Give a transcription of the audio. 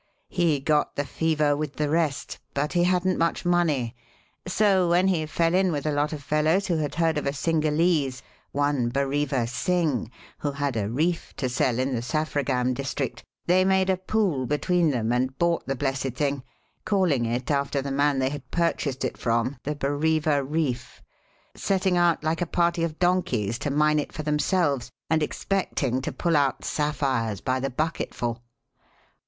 He got the fever with the rest, but he hadn't much money, so when he fell in with a lot of fellows who had heard of a Cingalese, one Bareva Singh, who had a reef to sell in the Saffragam district, they made a pool between them and bought the blessed thing, calling it after the man they had purchased it from, the Bareva Reef, setting out like a party of donkeys to mine it for themselves, and expecting to pull out sapphires by the bucketful."